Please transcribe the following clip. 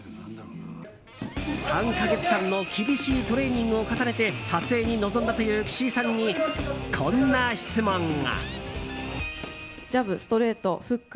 ３か月間の厳しいトレーニングを重ねて撮影に臨んだという岸井さんに、こんな質問が。